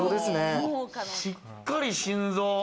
しっかり心臓。